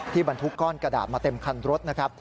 บรรทุกก้อนกระดาษมาเต็มคันรถนะครับ